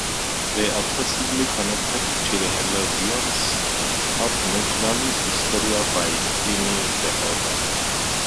They are possibly connected to the Hilleviones of Naturalis Historia by Pliny the Elder.